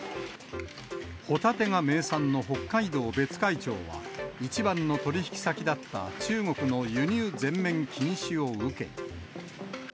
ホタテが名産の北海道別海町は、一番の取り引き先だった中国の輸入全面禁止を受け。